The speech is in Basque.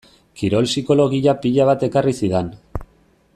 Kirol psikologiak pila bat ekarri zidan.